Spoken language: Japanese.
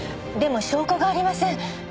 でも証拠がありません。